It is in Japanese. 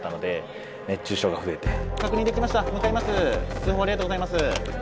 通報ありがとうございます。